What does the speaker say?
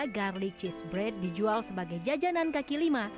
garlic cheese bread dijual sebagai jajanan kaki lima